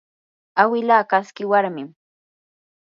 awila kaski warmim